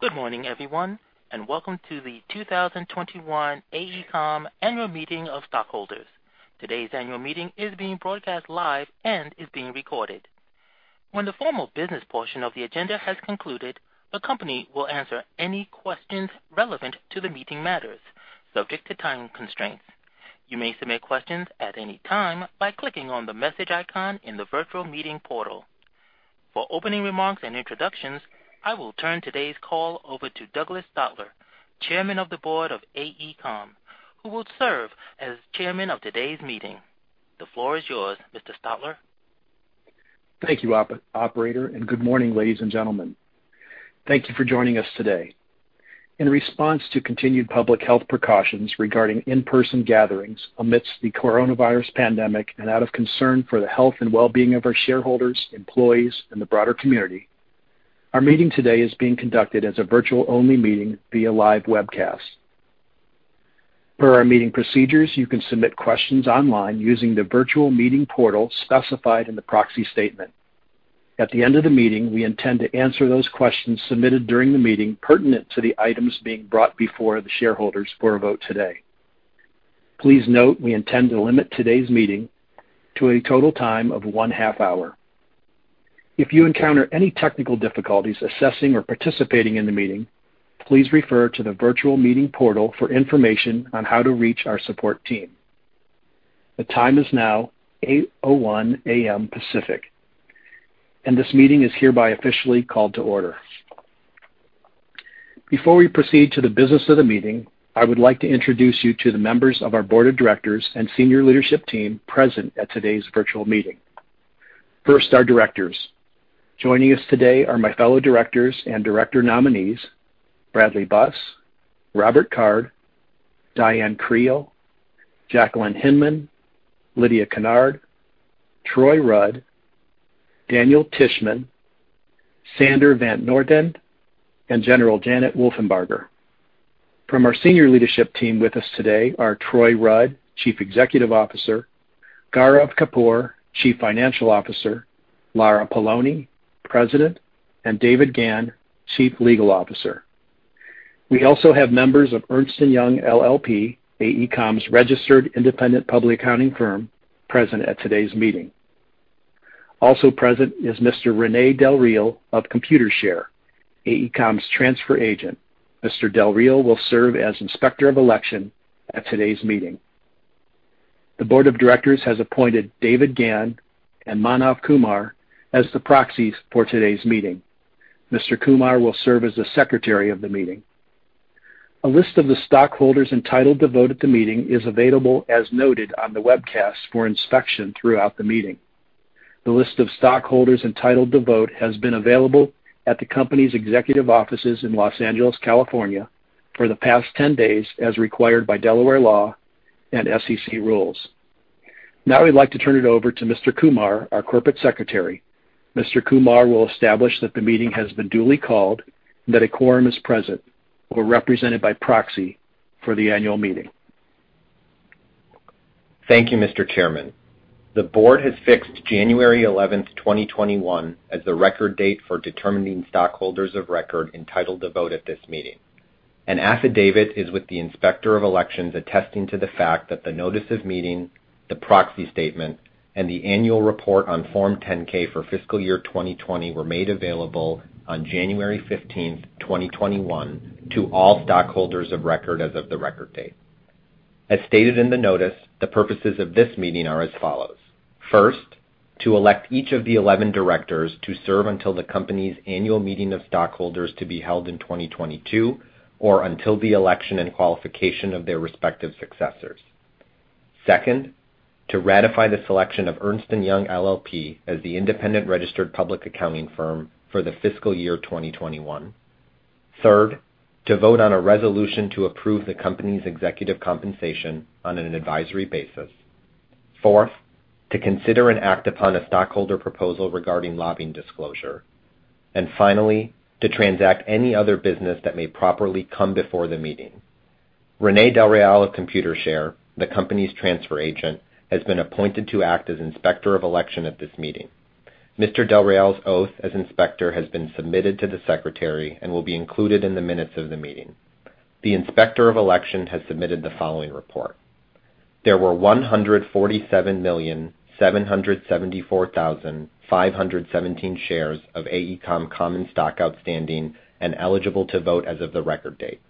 Good morning, everyone, and welcome to the 2021 AECOM annual meeting of stockholders. Today's annual meeting is being broadcast live and is being recorded. When the formal business portion of the agenda has concluded, the company will answer any questions relevant to the meeting matters, subject to time constraints. You may submit questions at any time by clicking on the message icon in the virtual meeting portal. For opening remarks and introductions, I will turn today's call over to Douglas Stotlar, Chairman of the Board of AECOM, who will serve as Chairman of today's meeting. The floor is yours, Mr. Stotlar. Thank you, operator. Good morning, ladies and gentlemen. Thank you for joining us today. In response to continued public health precautions regarding in-person gatherings amidst the coronavirus pandemic and out of concern for the health and well-being of our shareholders, employees, and the broader community, our meeting today is being conducted as a virtual-only meeting via live webcast. Per our meeting procedures, you can submit questions online using the virtual meeting portal specified in the proxy statement. At the end of the meeting, we intend to answer those questions submitted during the meeting pertinent to the items being brought before the shareholders for a vote today. Please note we intend to limit today's meeting to a total time of one-half hour. If you encounter any technical difficulties assessing or participating in the meeting, please refer to the virtual meeting portal for information on how to reach our support team. The time is now 8:01 A.M. Pacific, and this meeting is hereby officially called to order. Before we proceed to the business of the meeting, I would like to introduce you to the members of our Board of Directors and senior leadership team present at today's virtual meeting. First, our directors. Joining us today are my fellow directors and director nominees, Bradley Buss, Robert Card, Diane Creel, Jacqueline Hinman, Lydia Kennard, Troy Rudd, Daniel Tishman, Sander van 't Noordende, and General Janet Wolfenbarger. From our senior leadership team, with us today are Troy Rudd, Chief Executive Officer, Gaurav Kapoor, Chief Financial Officer, Lara Poloni, President, and David Gan, Chief Legal Officer. We also have members of Ernst & Young LLP, AECOM's registered independent public accounting firm, present at today's meeting. Also present is Mr. René Del Real of Computershare, AECOM's transfer agent. Mr. Del Real will serve as Inspector of Election at today's meeting. The Board of Directors has appointed David Gan and Manav Kumar as the proxies for today's meeting. Mr. Kumar will serve as the Secretary of the Meeting. A list of the stockholders entitled to vote at the meeting is available as noted on the webcast for inspection throughout the meeting. The list of stockholders entitled to vote has been available at the company's executive offices in Los Angeles, California, for the past 10 days as required by Delaware law and SEC rules. Now I'd like to turn it over to Mr. Kumar, our Corporate Secretary. Mr. Kumar will establish that the meeting has been duly called and that a quorum is present or represented by proxy for the annual meeting. Thank you, Mr. Chairman. The Board has fixed January 11th, 2021, as the record date for determining stockholders of record entitled to vote at this meeting. An affidavit is with the Inspector of Elections attesting to the fact that the notice of meeting, the proxy statement, and the annual report on Form 10-K for fiscal year 2020 were made available on January 15th, 2021, to all stockholders of record as of the record date. As stated in the notice, the purposes of this meeting are as follows. First, to elect each of the 11 directors to serve until the company's annual meeting of stockholders to be held in 2022 or until the election and qualification of their respective successors. Second, to ratify the selection of Ernst & Young LLP as the independent registered public accounting firm for the fiscal year 2021. Third, to vote on a resolution to approve the company's executive compensation on an advisory basis. Fourth, to consider and act upon a stockholder proposal regarding lobbying disclosure. Finally, to transact any other business that may properly come before the meeting. René Del Real of Computershare, the company's transfer agent, has been appointed to act as Inspector of Election at this meeting. Mr. Del Real's oath as Inspector has been submitted to the secretary and will be included in the minutes of the meeting. The Inspector of Election has submitted the following report. There were 147,774,517 shares of AECOM common stock outstanding and eligible to vote as of the record date.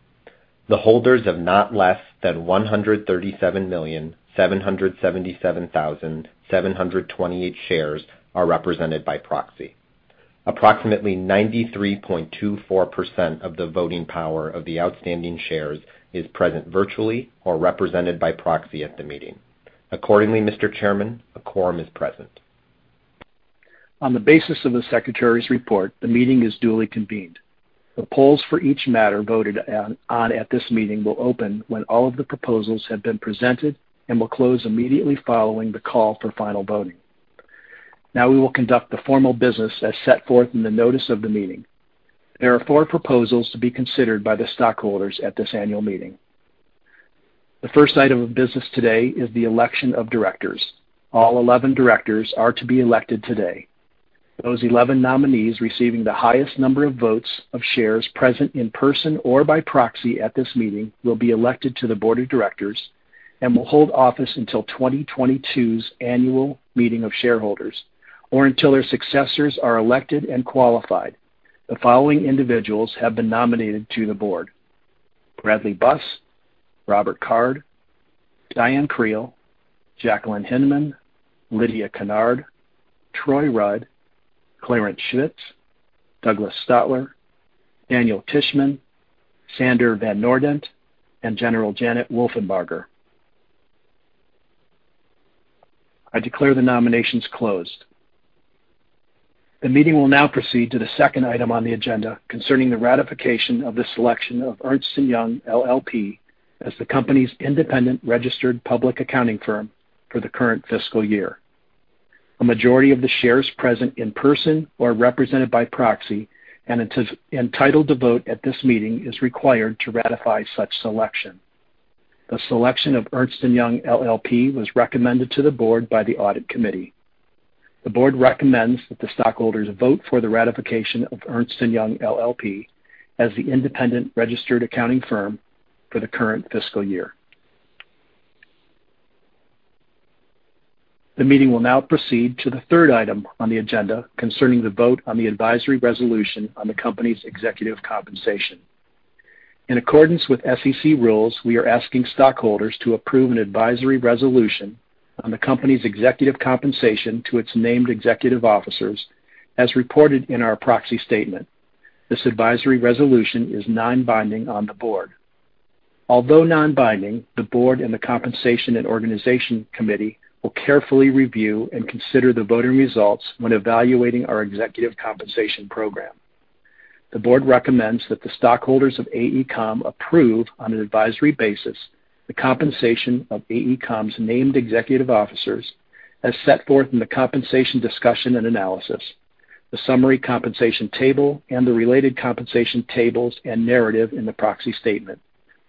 The holders of not less than 137,777,728 shares are represented by proxy. Approximately 93.24% of the voting power of the outstanding shares is present virtually or represented by proxy at the meeting. Accordingly, Mr. Chairman, a quorum is present. On the basis of the secretary's report, the meeting is duly convened. The polls for each matter voted on at this meeting will open when all of the proposals have been presented and will close immediately following the call for final voting. We will conduct the formal business as set forth in the notice of the meeting. There are four proposals to be considered by the stockholders at this annual meeting. The first item of business today is the election of directors. All 11 directors are to be elected today. Those 11 nominees receiving the highest number of votes of shares present in person or by proxy at this meeting will be elected to the Board of Directors and will hold office until 2022's annual meeting of shareholders, or until their successors are elected and qualified. The following individuals have been nominated to the board: Bradley Buss, Robert Card, Diane Creel, Jacqueline Hinman, Lydia Kennard, Troy Rudd, Clarence Schmitz, Douglas Stotlar, Daniel Tishman, Sander van 't Noordende, and General Janet Wolfenbarger. I declare the nominations closed. The meeting will now proceed to the second item on the agenda concerning the ratification of the selection of Ernst & Young LLP as the company's independent registered public accounting firm for the current fiscal year. A majority of the shares present in person or represented by proxy and entitled to vote at this meeting is required to ratify such selection. The selection of Ernst & Young LLP was recommended to the Board by the Audit Committee. The Board recommends that the stockholders vote for the ratification of Ernst & Young LLP as the independent registered accounting firm for the current fiscal year. The meeting will now proceed to the third item on the agenda concerning the vote on the advisory resolution on the company's executive compensation. In accordance with SEC rules, we are asking stockholders to approve an advisory resolution on the company's executive compensation to its named executive officers as reported in our proxy statement. This advisory resolution is non-binding on the board. Although non-binding, the Board and the Compensation and Organization Committee will carefully review and consider the voting results when evaluating our executive compensation program. The board recommends that the stockholders of AECOM approve, on an advisory basis, the compensation of AECOM's named executive officers as set forth in the compensation discussion and analysis, the summary compensation table, and the related compensation tables and narrative in the proxy statement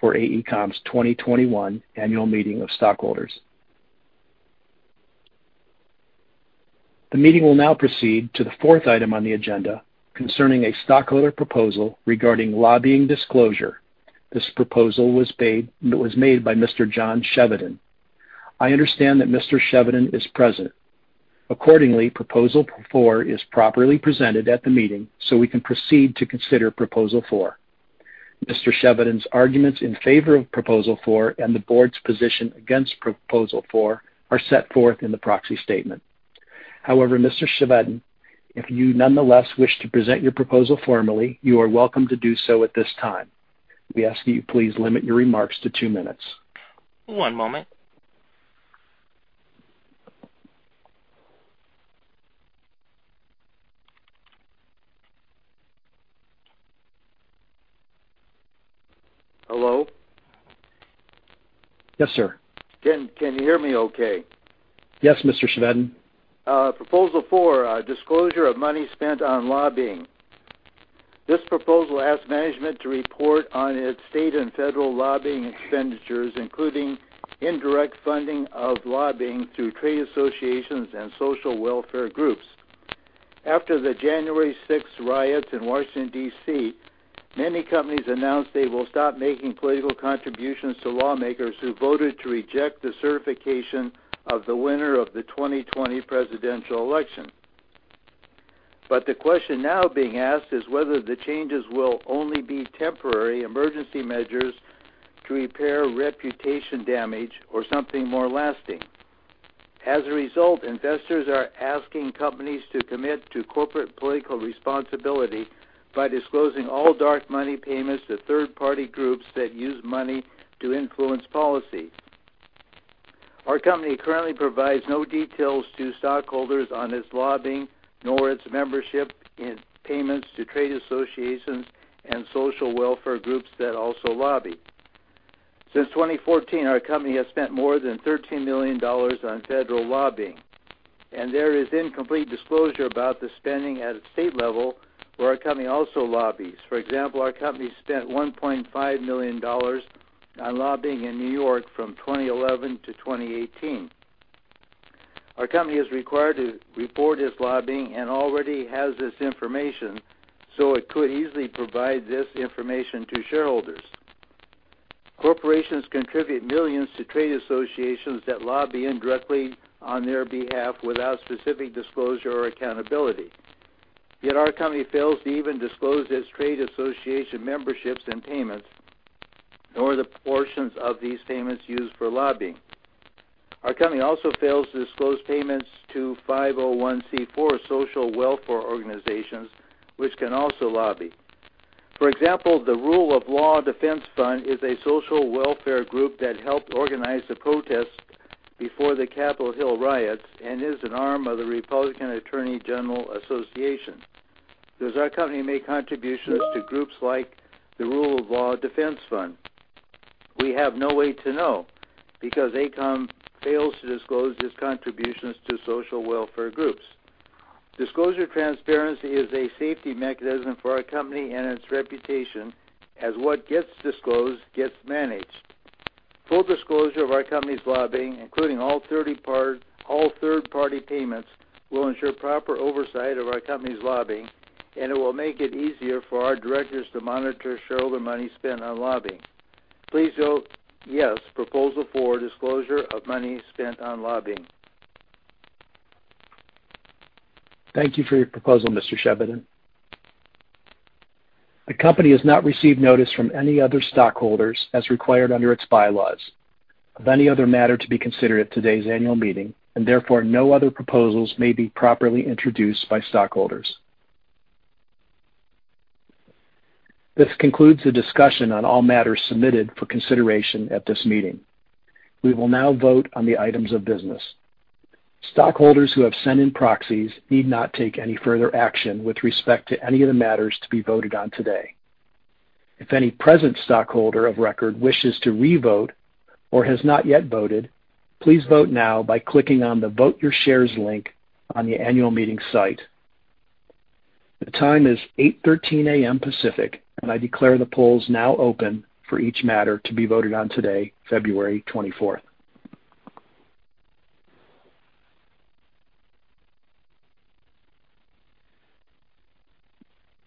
for AECOM's 2021 annual meeting of stockholders. The meeting will now proceed to the fourth item on the agenda concerning a stockholder proposal regarding lobbying disclosure. This proposal was made by Mr. John Chevedden. I understand that Mr. Chevedden is present. Accordingly, proposal four is properly presented at the meeting, so we can proceed to consider proposal four. Mr. Chevedden's arguments in favor of proposal four and the Board's position against proposal four are set forth in the proxy statement. However, Mr. Chevedden, if you nonetheless wish to present your proposal formally, you are welcome to do so at this time. We ask that you please limit your remarks to two minutes. One moment. Hello? Yes, sir. Can you hear me okay? Yes, Mr. Chevedden. Proposal four, disclosure of money spent on lobbying. This proposal asks management to report on its state and federal lobbying expenditures, including indirect funding of lobbying through trade associations and social welfare groups. After the January 6th riots in Washington, D.C., many companies announced they will stop making political contributions to lawmakers who voted to reject the certification of the winner of the 2020 presidential election. The question now being asked is whether the changes will only be temporary emergency measures to repair reputation damage or something more lasting. As a result, investors are asking companies to commit to corporate political responsibility by disclosing all dark money payments to third-party groups that use money to influence policy. Our company currently provides no details to stockholders on its lobbying, nor its membership in payments to trade associations and social welfare groups that also lobby. Since 2014, our company has spent more than $13 million on federal lobbying, and there is incomplete disclosure about the spending at a state level where our company also lobbies. For example, our company spent $1.5 million on lobbying in New York from 2011 to 2018. Our company is required to report its lobbying and already has this information, so it could easily provide this information to shareholders. Corporations contribute millions to trade associations that lobby indirectly on their behalf without specific disclosure or accountability. Our company fails to even disclose its trade association memberships and payments, nor the portions of these payments used for lobbying. Our company also fails to disclose payments to 501(c)(4) social welfare organizations, which can also lobby. For example, the Rule of Law Defense Fund is a social welfare group that helped organize the protests before the Capitol Hill riots and is an arm of the Republican Attorneys General Association. Does our company make contributions to groups like the Rule of Law Defense Fund? We have no way to know, because AECOM fails to disclose its contributions to social welfare groups. Disclosure transparency is a safety mechanism for our company and its reputation, as what gets disclosed, gets managed. Full disclosure of our company's lobbying, including all third-party payments, will ensure proper oversight of our company's lobbying. It will make it easier for our directors to monitor shareholder money spent on lobbying. Please vote yes, Proposal four, disclosure of money spent on lobbying. Thank you for your proposal, Mr. Chevedden. The company has not received notice from any other stockholders as required under its bylaws of any other matter to be considered at today's annual meeting, and therefore, no other proposals may be properly introduced by stockholders. This concludes the discussion on all matters submitted for consideration at this meeting. We will now vote on the items of business. Stockholders who have sent in proxies need not take any further action with respect to any of the matters to be voted on today. If any present stockholder of record wishes to revote or has not yet voted, please vote now by clicking on the Vote Your Shares link on the annual meeting site. The time is 8:13 A.M. Pacific, and I declare the polls now open for each matter to be voted on today, February 24th.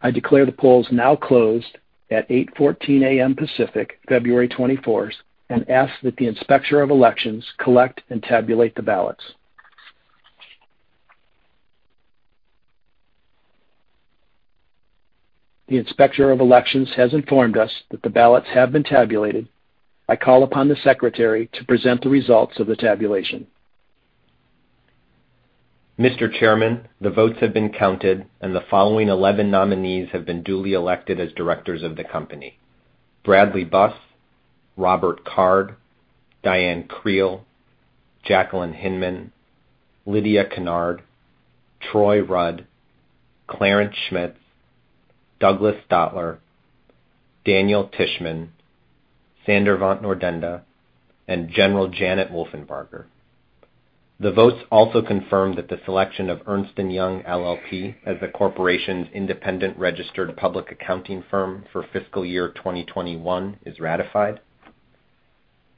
I declare the polls now closed at 8:14 A.M. Pacific, February 24th, and ask that the Inspector of Elections collect and tabulate the ballots. The Inspector of Elections has informed us that the ballots have been tabulated. I call upon the Secretary to present the results of the tabulation. Mr. Chairman, the votes have been counted, and the following 11 nominees have been duly elected as directors of the company: Bradley Buss, Robert Card, Diane Creel, Jacqueline Hinman, Lydia Kennard, Troy Rudd, Clarence Schmitz, Douglas Stotlar, Daniel Tishman, Sander van 't Noordende, and General Janet Wolfenbarger. The votes also confirm that the selection of Ernst & Young LLP as the corporation's independent registered public accounting firm for fiscal year 2021 is ratified.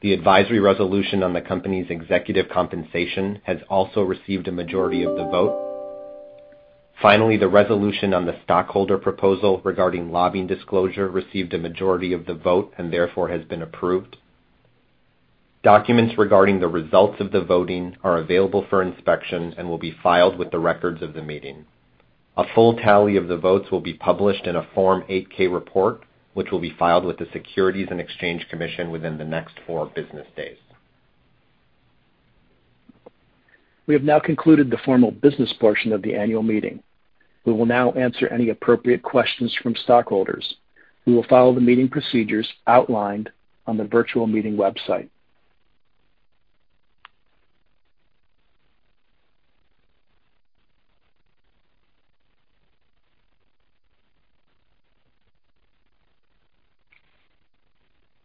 The advisory resolution on the company's executive compensation has also received a majority of the vote. Finally, the resolution on the stockholder proposal regarding lobbying disclosure received a majority of the vote and therefore has been approved. Documents regarding the results of the voting are available for inspection and will be filed with the records of the meeting. A full tally of the votes will be published in a Form 8-K report, which will be filed with the Securities and Exchange Commission within the next four business days. We have now concluded the formal business portion of the annual meeting. We will now answer any appropriate questions from stockholders. We will follow the meeting procedures outlined on the virtual meeting website.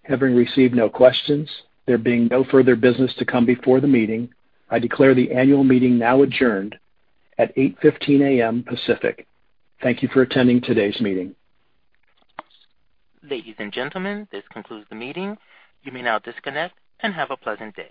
Having received no questions, there being no further business to come before the meeting, I declare the annual meeting now adjourned at 8:15 A.M. Pacific. Thank you for attending today's meeting. Ladies and gentlemen, this concludes the meeting. You may now disconnect and have a pleasant day.